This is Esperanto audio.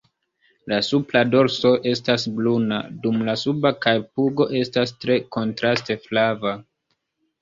La supra dorso estas bruna, dum la suba kaj pugo estas tre kontraste flava.